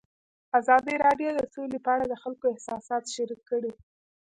ازادي راډیو د سوله په اړه د خلکو احساسات شریک کړي.